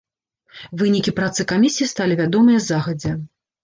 Вынікі працы камісіі сталі вядомыя загадзя.